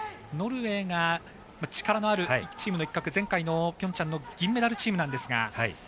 ノルウェーが力のあるチームの一角前回のピョンチャンの銀メダルチームなんですが。